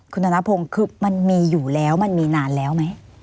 คุณธนพงศ์คือมันมีอยู่แล้วมันมีนานแล้วไหม